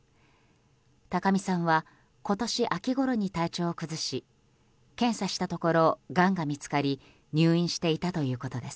高見さんは今年秋ごろに体調を崩し検査したところ、がんが見つかり入院していたということです。